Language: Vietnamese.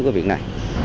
cái việc này